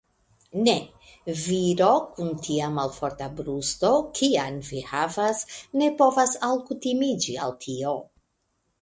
Ne; viro kun tia malforta brusto, kian vi havas, ne povas alkutimiĝi al tio.